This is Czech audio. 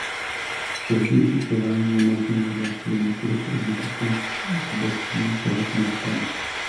Složitější chování je možné na základě několika užitečných zobecnění tohoto nápadu.